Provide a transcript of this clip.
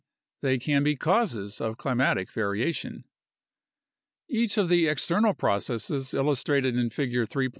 they can be causes of climatic variation. Each of the external processes illustrated in Figure 3.